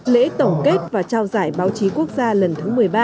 lễ tổng kết và trao giải báo chí quốc gia lần thứ một mươi ba